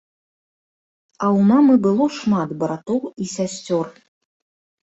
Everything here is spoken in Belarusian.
А ў мамы было шмат братоў і сясцёр.